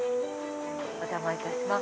お邪魔いたします。